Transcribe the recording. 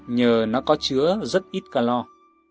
nhờ nó có chứa rất ít calor